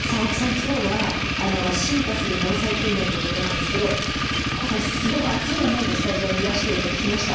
今日は「進化する防災訓練」ということなんですけど今回すごく熱い思いでスタジオにいらしてると聞きました。